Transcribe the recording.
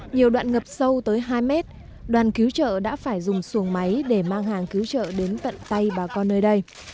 nhiều đoạn ngập sâu tới hai mét đoàn cứu trợ đã phải dùng xuồng máy để mang hàng cứu trợ đến tận tay bà con nơi đây